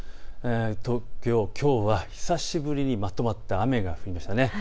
東京、きょうは久しぶりにまとまった雨が降りました。